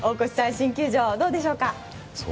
新球場、どうでしょうか。